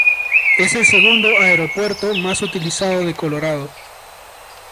Es el segundo aeropuerto más utilizado de Colorado.